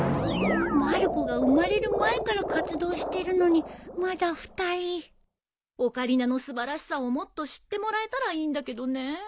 まる子が生まれる前から活動してるのにまだ２人オカリナの素晴らしさをもっと知ってもらえたらいいんだけどね。